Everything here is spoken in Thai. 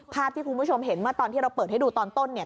ภาพที่คุณผู้ชมเห็นเมื่อตอนที่เราเปิดให้ดูตอนต้นเนี่ย